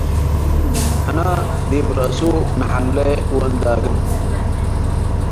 ሕነ ዲብ ረአሱ - ነሐሌ ወእንዳግም